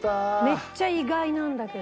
めっちゃ意外なんだけど。